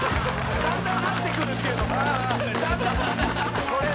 「だんだん合ってくるっていうのが」